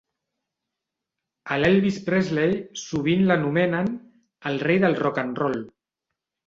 A l'Elvis Presley sovint l'anomenen "el rei del rock and roll".